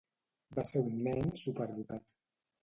Va ser un nen superdotat.